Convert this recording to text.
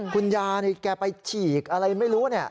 คุณยายเขาไปฉีกอะไรไม่รู้